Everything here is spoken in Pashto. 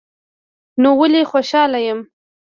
نو ولي خوشحاله شم